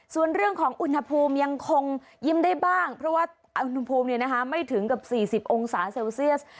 ส่วนเรื่องของอุณหภูมิยังคงยิ้มได้บ้างเพราะว่าอุณหภูมิไม่ถึงกับ๔๐องศาเซลเซียส